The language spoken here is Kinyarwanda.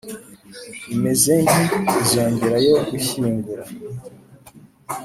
imezenki inzogera yo gushyingura.